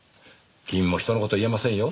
君も人の事言えませんよ。